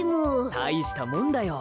たいしたもんだよ。